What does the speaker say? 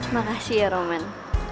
makasih ya roman